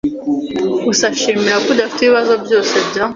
Gusa shimira ko udafite ibibazo byose bya .